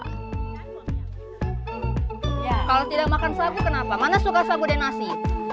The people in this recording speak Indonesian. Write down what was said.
kalau tidak makan sagu kenapa mana suka sagu dan nasi